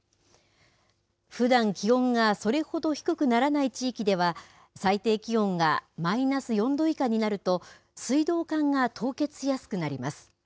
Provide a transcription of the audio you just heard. ふだん気温がそれほど低くならない地域では、最低気温がマイナス４度以下になると、水道管が凍結しやすくなります。